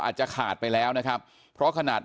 พันให้หมดตั้ง๓คนเลยพันให้หมดตั้ง๓คนเลย